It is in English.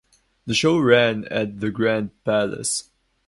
The show ran at the Grand Palace.